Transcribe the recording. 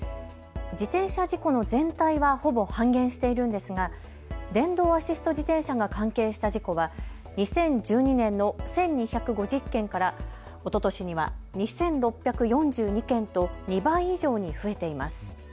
自転車事故の全体はほぼ半減しているんですが電動アシスト自転車が関係した事故は２０１２年の１２５０件から、おととしには２６４２件と２倍以上に増えています。